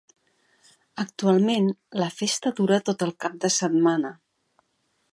Actualment, la festa dura tot el cap de setmana.